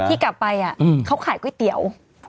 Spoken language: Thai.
ที่กลับไปเขาขายก๋วยเตี๋ยว